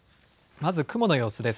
まず雲の様子です。